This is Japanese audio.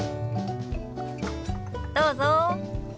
どうぞ。